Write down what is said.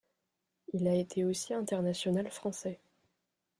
Il a été aussi international français.